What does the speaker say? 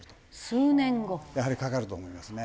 やはりかかると思いますね。